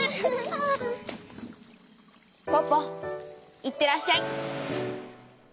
ポポいってらっしゃい！